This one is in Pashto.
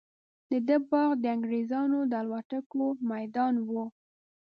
د ده باغ د انګریزانو د الوتکو میدان وو.